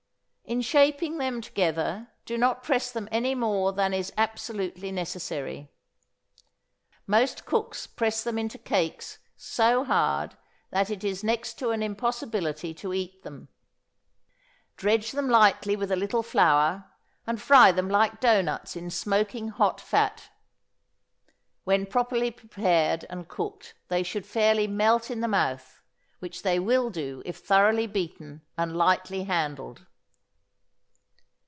In shaping them together, do not press them any more than is absolutely necessary. Most cooks press them into cakes so hard that it is next to an impossibility to eat them. Dredge them lightly with a little flour, and fry them like doughnuts in smoking hot fat. When properly prepared and cooked they should fairly melt in the mouth, which they will do if thoroughly beaten and lightly handled.